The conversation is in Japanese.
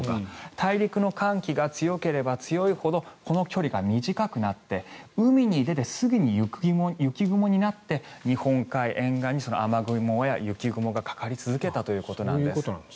大陸の寒気が強ければ強いほどこの距離が短くなって海に出てすぐに雪雲になって日本海沿岸に雨雲が雪雲がかかり続けたということなんです。